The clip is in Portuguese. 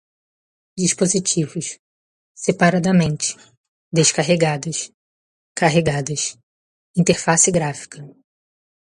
dispositivos, separadamente, descarregadas, carregadas, interface gráfica